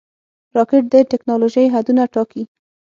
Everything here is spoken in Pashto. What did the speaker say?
راکټ د ټېکنالوژۍ حدونه ټاکي